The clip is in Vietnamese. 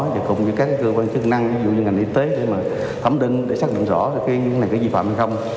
và cùng với các cơ quan chức năng ví dụ như ngành y tế để mà thẩm đinh để xác định rõ cái này có vi phạm hay không